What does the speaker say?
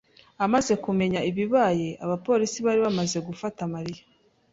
amaze kumenya ibibaye, abapolisi bari bamaze gufata Mariya.